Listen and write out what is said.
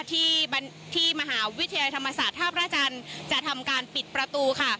ที่มหาวิทยาลัยธรรมศาสตร์ท่าพระจันทร์จะทำการปิดประตูค่ะ